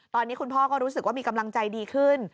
ตอนนี้คุณพ่อก็รู้สึกว่ามีกำลังใจดีขึ้น